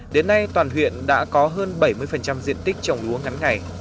đến nay toàn huyện đã có hơn bảy mươi diện tích trồng lúa ngắn ngày